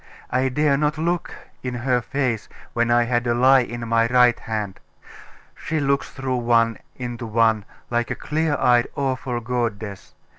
I dare not look in her face when I had a lie in my right hand.... She looks through one into one like a clear eyed awful goddess....